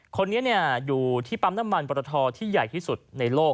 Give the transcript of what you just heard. คนนี้อยู่ที่ปั๊มน้ำมันปรทที่ใหญ่ที่สุดในโลก